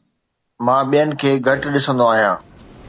مان ٻين کي گهٽ ڏسندو آهيان